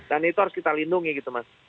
dan itu harus kita lindungi gitu mas